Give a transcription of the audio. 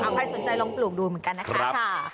ใครสนใจลองปลูกดูเหมือนกันนะคะ